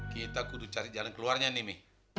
kita kudu cari jalan keluarnya nih mi